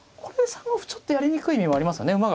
これで３五歩ちょっとやりにくい面もありますよね。